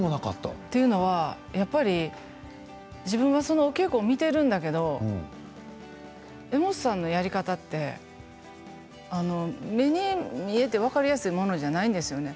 というのはやっぱり自分は稽古を見ているんだけど柄本さんのやり方って目に見えて分かりやすいものじゃないんですよね。